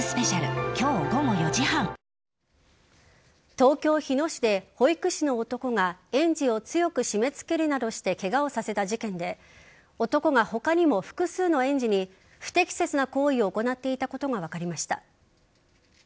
東京・日野市で保育士の男が園児を強く締め付けるなどしてケガをさせた事件で男が他にも複数の園児に不適切な行為を行っていたことが分かりました。